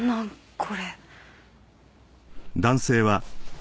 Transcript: これ。